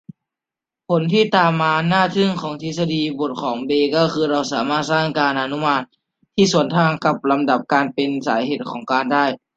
ผลที่ตามมาอันน่าทึ่งของทฤษฎีบทของเบย์ก็คือเราสามารถสร้างการอนุมานที่สวนทางกับลำดับการเป็นสาเหตุของเหตุการณ์ได้